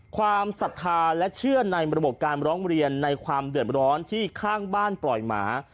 ความศรัทธาและเชื่อในระบบการร้องเรียนในความเดือดร้อนที่ข้างบ้านปล่อยหมา